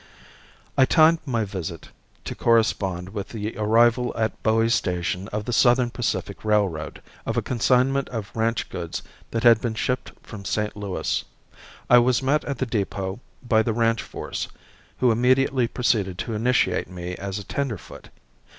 I timed my visit to correspond with the arrival at Bowie station on the Southern Pacific Railroad, of a consignment of ranch goods that had been shipped from St. Louis. I was met at the depot by the ranch force, who immediately proceeded to initiate me as a tenderfoot.